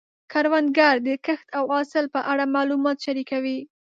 کروندګر د کښت او حاصل په اړه معلومات شریکوي